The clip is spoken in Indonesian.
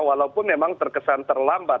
walaupun memang terkesan terlambat